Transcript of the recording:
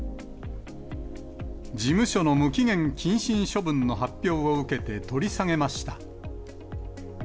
事務所の無期限謹慎処分の発表を受けて、取り下げました。